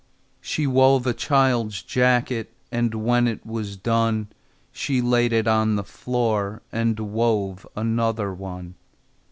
She wove a child's jacket, And when it was done She laid it on the floor And wove another one.